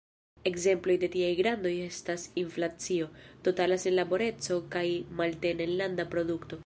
Ekzemploj de tiaj grandoj estas inflacio, totala senlaboreco kaj malneta enlanda produkto.